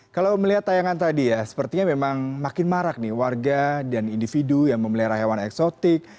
kalau melihat tayangan tadi ya sepertinya memang makin marak nih warga dan individu yang memelihara hewan eksotik